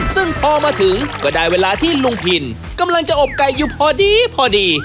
ซึ่งพอมาถึงก็ได้เวลาที่ลุงพินกำลังจะอบไก่อยู่พอดีพอดี